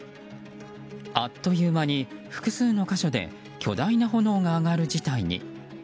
あっという間に複数の箇所で巨大な炎が上がる事態に。